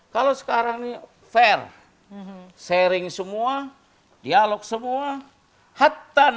kalau sekarang ini fair sharing semua dialog semua hatta nasdemnya merasa berguna